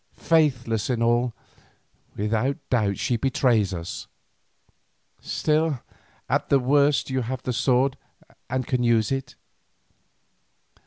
Faithless in all, without doubt she betrays us. Still at the worst you have the sword, and can use it."